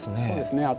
そうですね